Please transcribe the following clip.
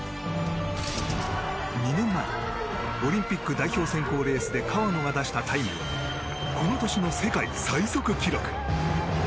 ２年前オリンピック代表選考レースで川野が出したタイムはこの年の世界最速記録！